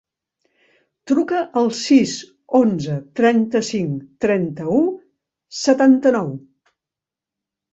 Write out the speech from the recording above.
Truca al sis, onze, trenta-cinc, trenta-u, setanta-nou.